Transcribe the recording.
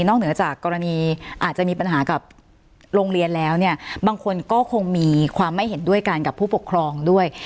เหนือจากกรณีอาจจะมีปัญหากับโรงเรียนแล้วเนี่ยบางคนก็คงมีความไม่เห็นด้วยกันกับผู้ปกครองด้วย